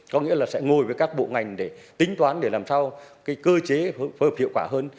có nghĩa là sẽ ngồi với các bộ ngành để tính toán để làm sao cái cơ chế phối hợp hiệu quả hơn